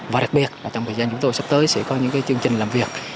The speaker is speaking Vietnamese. và đặc biệt là trong thời gian chúng tôi sắp tới sẽ có những chương trình làm việc